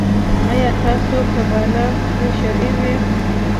ایا ستاسو قباله به شرعي وي؟